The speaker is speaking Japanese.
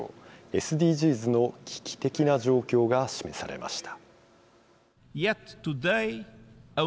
ＳＤＧｓの危機的な状況が示されました。